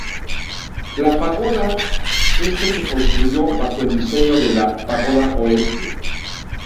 La pagoda este se reconstruyó bajo el diseño de la pagoda oeste.